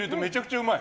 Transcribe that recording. うまい！